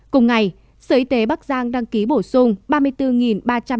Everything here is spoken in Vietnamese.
cùng ngày sở y tế bắc giang đăng ký bổ sung ba mươi bốn ba trăm linh ca